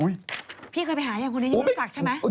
อุ๊ยพี่เคยไปหาอย่างคนนี้ยังรู้สักใช่ไหม